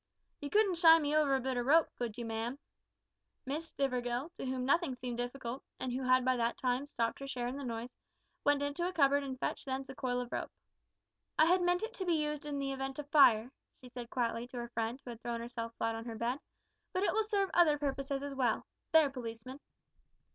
"You couldn't shy me over a bit of rope, could you, ma'am?" Miss Stivergill, to whom nothing seemed difficult, and who had by that time stopped her share in the noise, went into a cupboard and fetched thence a coil of rope. "I meant it to be used in the event of fire," she said quietly to her friend, who had thrown herself flat on her bed, "but it will serve other purposes as well. There, policeman."